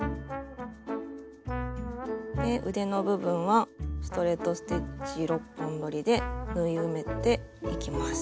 腕の部分はストレート・ステッチ６本どりで縫い埋めていきます。